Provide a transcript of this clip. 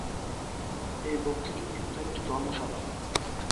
এই ভক্তিযোগ কিন্তু একটি ধর্ম-সাধনা।